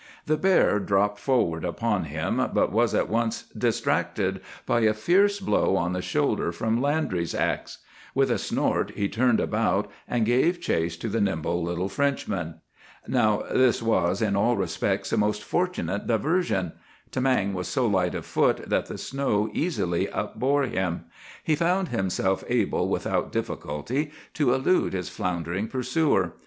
"The bear dropped forward upon him, but was at once distracted by a fierce blow on the shoulder from Landry's axe. With a snort he turned about, and gave chase to the nimble little Frenchman. [Illustration: "Tamang came leaping Past with the Bear at His Heels."—Page 303.] "Now, this was in all respects a most fortunate diversion. Tamang was so light of foot that the snow easily upbore him. He found himself able, without difficulty, to elude his floundering pursuer.